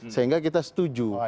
sehingga kita setuju